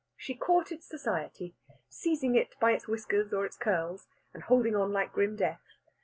She courted Society, seizing it by its whiskers or its curls, and holding on like grim death.